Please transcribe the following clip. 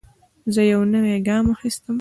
زه یو نوی ګام اخیستم.